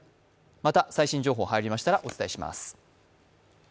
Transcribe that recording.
また、最新情報が入りましたら、お伝えします。